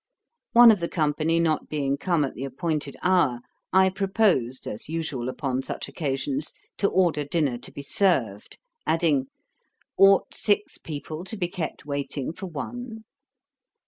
One of the company not being come at the appointed hour, I proposed, as usual upon such occasions, to order dinner to be served; adding, 'Ought six people to be kept waiting for one?'